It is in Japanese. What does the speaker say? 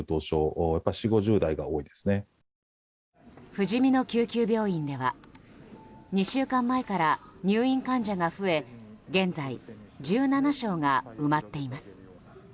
ふじみの救急病院では２週間前から入院患者が増え現在、１７床が埋まっています。